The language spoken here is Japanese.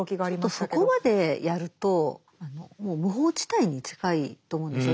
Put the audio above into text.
ちょっとそこまでやるともう無法地帯に近いと思うんですよ。